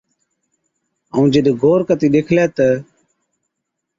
ائُون جِڏ غور ڪتِي ڏيکلَي تہ،